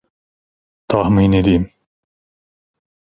Tahmin edeyim.